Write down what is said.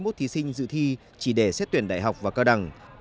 năm sáu trăm tám mươi một thí sinh dự thi chỉ để xét tuyển đại học và cao đẳng